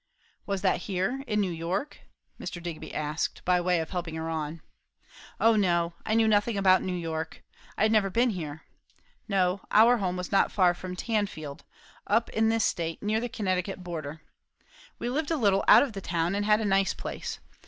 "Was that here? in New York?" Mr. Digby asked, by way of helping her on. "O no. I knew nothing about New York. I had never been here. No; our home was not far from Tanfield; up in this state, near the Connecticut border. We lived a little out of the town, and had a nice place.